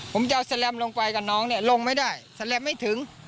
ผมจะเอาแลมลงไปกับน้องเนี่ยลงไม่ได้แสลมไม่ถึง